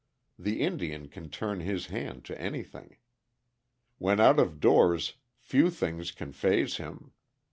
The Indian can turn his hand to anything. When out of doors few things can feaze him.